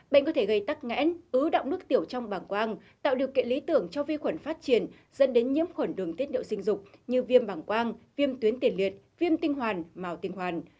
bệnh có thể gây tắc nghẽn ứ động nước tiểu trong bảng quang tạo điều kiện lý tưởng cho vi khuẩn phát triển dẫn đến nhiễm khuẩn đường tiết điệu sinh dục như viêm bảng quang viêm tuyến tiền liệt viêm tinh hoàn màu tinh hoàn